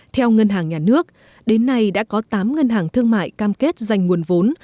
theo ngân hàng nhà nước đến nay đã có tám ngân hàng thương mại cam kết dành nguồn vốn